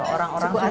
orang orang suku asli